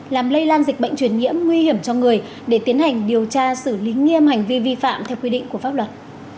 làm lây lan dịch bệnh truyền nhiễm nguy hiểm cho người để tiến hành điều tra xử lý nghiêm hành vi vi phạm theo quy định của pháp luật